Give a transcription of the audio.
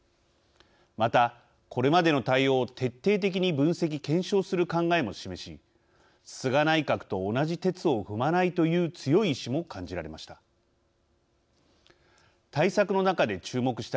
また、これまでの対応を徹底的に分析検証する考えも示し菅内閣と同じてつを踏まないという強い意思も感じられました。